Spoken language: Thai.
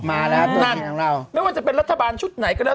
มาแล้วนั่นของเราไม่ว่าจะเป็นรัฐบาลชุดไหนก็แล้ว